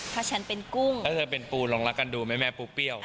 ถ้าฉันเป็นกุ้งถ้าเธอเป็นปูลองรักกันดูไหมแม่ปูเปรี้ยว